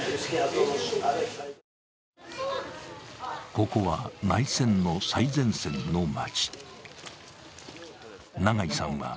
ここは内戦の最前線の街。